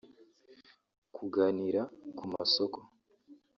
kuganira ku masoko